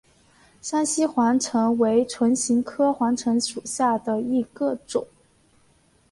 山西黄芩为唇形科黄芩属下的一个种。